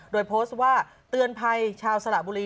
โดยโพสต์ว่าเตือนภัยชาวสระบุรี